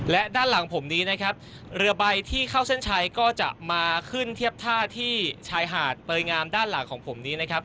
และด้านหลังผมนี้นะครับเรือใบที่เข้าเส้นชัยก็จะมาขึ้นเทียบท่าที่ชายหาดเตยงามด้านหลังของผมนี้นะครับ